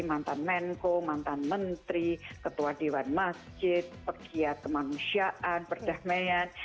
mantan menko mantan menteri ketua dewan masjid pegiat kemanusiaan perdamaian